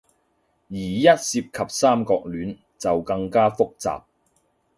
而一涉及三角戀，就更加複雜